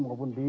maupun di laut